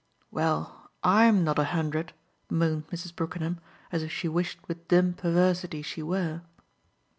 "Well, I'M not a hundred!" moaned Mrs. Brookenham as if she wished with dim perversity she were.